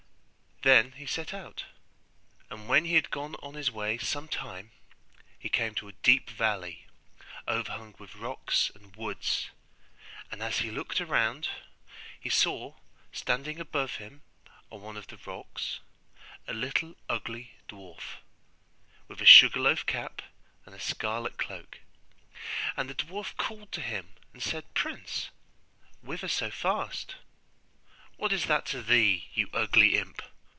Then he set out: and when he had gone on his way some time he came to a deep valley, overhung with rocks and woods; and as he looked around, he saw standing above him on one of the rocks a little ugly dwarf, with a sugarloaf cap and a scarlet cloak; and the dwarf called to him and said, 'Prince, whither so fast?' 'What is that to thee, you ugly imp?